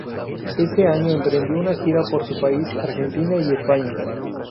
Ese año emprendió una gira por su país, Argentina y España.